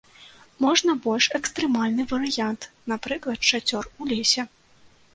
Можна больш экстрэмальны варыянт, напрыклад, шацёр у лесе.